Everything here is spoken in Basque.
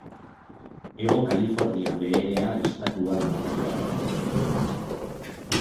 Hego Kalifornia Beherea estatuan kokatua dago.